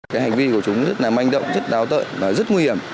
cái hành vi của chúng rất là manh động rất đáo tợi và rất nguy hiểm